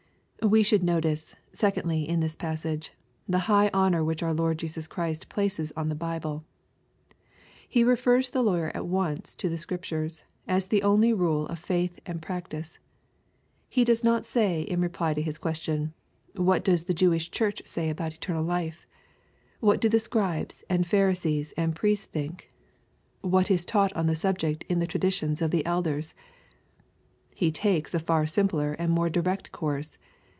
'/^/.,^/.,..,.,,.. ^..././/.c We should notice, secondly, in this passage, the high .""' honor which our Lord Jesus Christ places on the Bible *? He refers the lawyer" at once to the Scriptures^ as the only rule of faith and practice. He does not say in reply , to his question, —" What does the Jewish Church say about eternal life ? What do the Scribes, and Pharisees, and priests think ? What is taught on the subject in the traditions of the elders ?"— He takes a far simpler and more direct course.